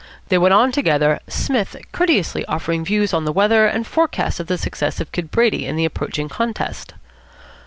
They went on together, Psmith courteously offering views on the weather and forecasts of the success of Kid Brady in the approaching contest.